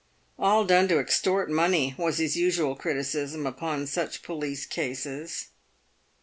" All done to extort money," was his usual criticism upon such police cases.